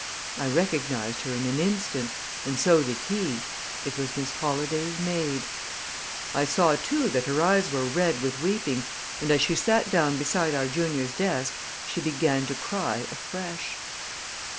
I recognized her in an instant, and so did he it was Miss Holladay's maid. I saw, too, that her eyes were red with weeping, and as she sat down beside our junior's desk she began to cry afresh.